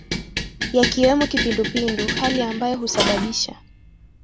yakiwemo kipindupindu hali ambayo husababisha